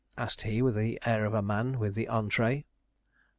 asked he, with the air of a man with the entrée.